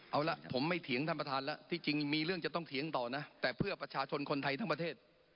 เอาละผมไม่เถียงท่านประธานแล้วที่จริงมีเรื่องจะต้องเถียงต่อนะแต่เพื่อประชาชนคนไทยทั้งประเทศ